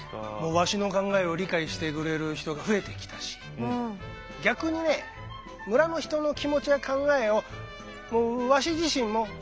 わしの考えを理解してくれる人が増えてきたし逆にね村の人の気持ちや考えをわし自身も知ることができてきたわけ。